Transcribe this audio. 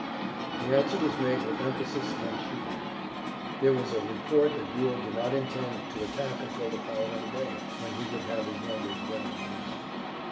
The answer was made with emphasis and chagrin. There was a report that Buell did not intend to attack until the following day, when he would have his numbers well in hand.